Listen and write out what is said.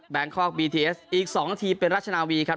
คอกบีทีเอสอีก๒นาทีเป็นรัชนาวีครับ